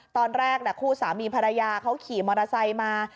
ตอนแรกคู่สามีภรรยาเขาขี่มอเตอร์ไซค์มา